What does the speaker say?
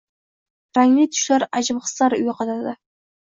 Rangli tushlar ajib hislar uyg‘otadi